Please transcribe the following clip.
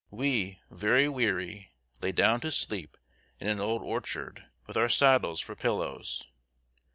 We, very weary, lay down to sleep in an old orchard, with our saddles for pillows.